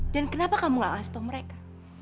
dan kenapa kamu gak ngasih tau mereka